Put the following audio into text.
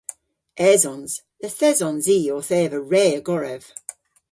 Esons. Yth esons i owth eva re a gorev.